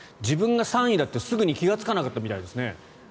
自分が３位だってすぐに気付かなかったみたいですね。